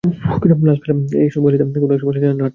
লাল কেল্লার এইসব গলিতে কোনো এক সময় শাহজাহান হাঁটতো।